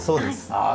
ああ